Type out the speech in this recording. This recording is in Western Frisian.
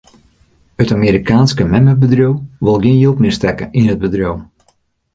It Amerikaanske memmebedriuw wol gjin jild mear stekke yn it bedriuw.